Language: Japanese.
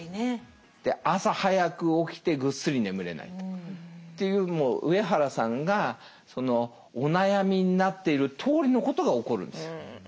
朝早く起きてぐっすり眠れないと。という上原さんがお悩みになっているとおりのことが起こるんですよ。